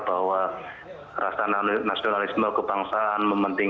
perasaan nasionalisme kebangsaan